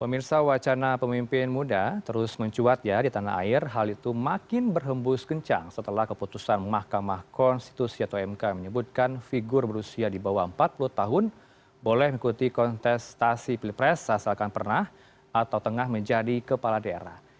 pemirsa wacana pemimpin muda terus mencuat ya di tanah air hal itu makin berhembus kencang setelah keputusan mahkamah konstitusi atau mk menyebutkan figur berusia di bawah empat puluh tahun boleh mengikuti kontestasi pilpres asalkan pernah atau tengah menjadi kepala daerah